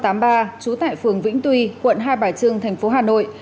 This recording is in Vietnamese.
trú tại phường vĩnh tuy quận hai bà trưng thành phố hà nội